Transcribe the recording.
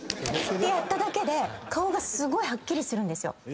てやっただけで顔がすごいはっきりするんですよ。